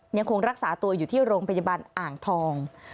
ยังคงรักษาตัวอยู่ที่โรงพยาบาลอ่างทอง